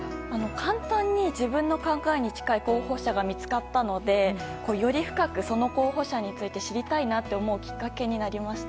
簡単に自分の考えに近い候補者が見つかったのでより深くその候補者について知りたいなと思うきっかけになりました。